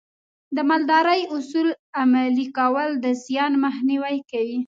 د مالدارۍ اصول عملي کول د زیان مخنیوی کوي.